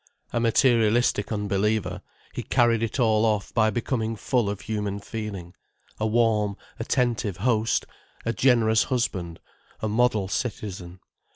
A materialistic unbeliever, he carried it all off by becoming full of human feeling, a warm, attentive host, a generous husband, a model citizen.